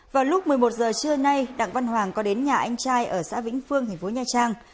vào lúc một mươi một giờ trưa nay đặng văn hoàng có đến nhà anh trai ở xã vĩnh phương thành phố nha trang